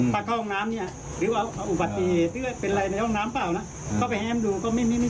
ไม่มีป้ายทะเบียนอะไรเลยไปดูทั้งหน้าทั้งหลังอะไรพวกนี้ไม่มี